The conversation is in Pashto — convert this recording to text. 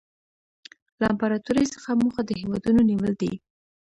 له امپراطورۍ څخه موخه د هېوادونو نیول دي